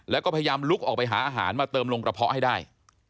แล้วก็พยายามลุกออกไปหาอาหารมาเติมลงกระเพาะให้ได้